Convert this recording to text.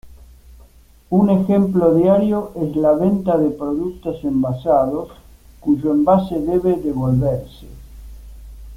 Un ejemplo diario es la venta de productos envasados cuyo envase debe devolverse.